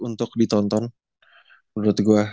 untuk ditonton menurut gua